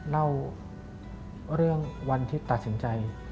เล่าเรื่องวันที่ตัดสินใจ